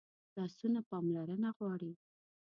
لاسونه پاملرنه غواړي